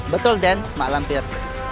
betul den mak lampir